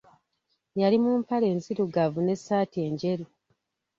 Yali mu mpale enzirugavu n'essaati enjeru.